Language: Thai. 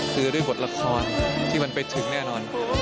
คือด้วยบทละครที่มันไปถึงแน่นอน